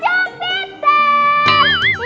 yang terbesar jupiter